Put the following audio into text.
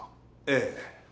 ええ。